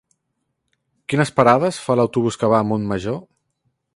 Quines parades fa l'autobús que va a Montmajor?